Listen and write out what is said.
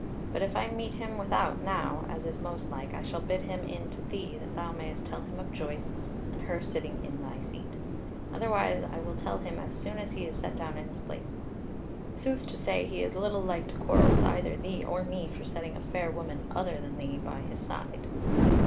But if I meet him without, now, as is most like, I shall bid him in to thee, that thou mayst tell him of Joyce, and her sitting in thy seat. Otherwise I will tell him as soon as he is set down in his place. Sooth to say, he is little like to quarrel with either thee or me for setting a fair woman other than thee by his side."